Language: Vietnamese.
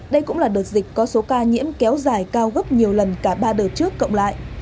đây cũng là đợt dịch có số ca nhiễm kéo dài cao gấp nhiều lần cả ba đời trước cộng lại